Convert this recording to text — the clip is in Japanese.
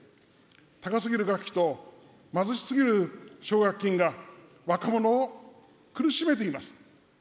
高すぎる学費と、貧しすぎる奨学金が若者を苦しめています。